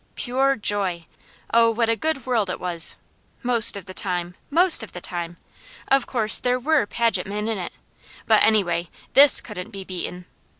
Pure joy! Oh what a good world it was! most of the time! Most of the time! Of course, there WERE Paget men in it. But anyway, THIS couldn't be beaten.